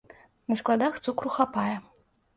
На складах цукру хапае.